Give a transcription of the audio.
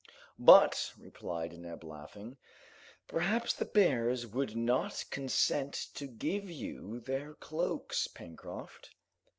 "But," replied Neb, laughing, "perhaps the bears would not consent to give you their cloaks, Pencroft.